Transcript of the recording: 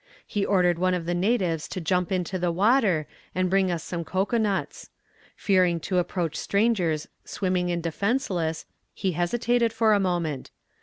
He ordered one of the natives to jump into the water, and bring us some cocoa nuts. Fearing to approach strangers swimming and defenceless, he hesitated for a moment.